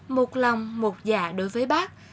một lòng một dạ đối với bác